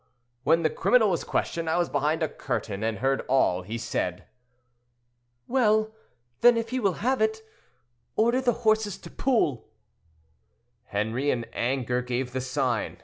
"When the criminal was questioned, I was behind a curtain and heard all he said." "Well, then, if he will have it, order the horses to pull." Henri, in anger, gave the sign.